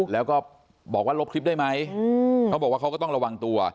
แล้วก็บอกว่าลบคลิปได้ไหมเขาบอกว่าเขาก็ต้องระวังตัว